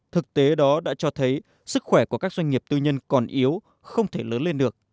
thực tế đó đã cho thấy sức khỏe của các doanh nghiệp tư nhân còn yếu không thể lớn lên được